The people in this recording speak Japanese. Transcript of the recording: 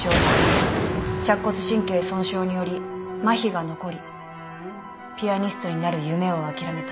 尺骨神経損傷によりまひが残りピアニストになる夢を諦めた。